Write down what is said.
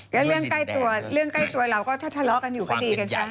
ก็เรื่องใกล้ตัวเรื่องใกล้ตัวเราก็ถ้าทะเลาะกันอยู่ก็ดีกันซะ